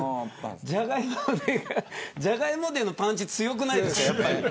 じゃがいもデーのパンチ強くないですか。